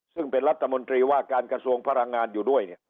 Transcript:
ซึ่งเป็นรัฐมนตรีว่าการกระทรวงพลังงานอยู่ด้วย